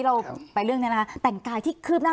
เพราะฉะนั้นทำไมถึงต้องทำภาพจำในโรงเรียนให้เหมือนกัน